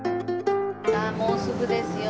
もうすぐですよ。